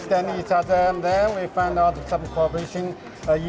kita mencoba untuk memahami satu sama lain dan kemudian kita menemukan beberapa kooperasi